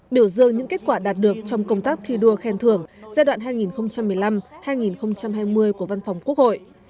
biểu dương những kết quả đạt được trong công tác thi đua khen thưởng giai đoạn hai nghìn một mươi năm hai nghìn hai mươi của văn phòng quốc hội